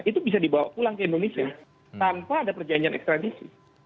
itu bisa dibawa pulang ke indonesia tanpa ada perjanjian ekstradisi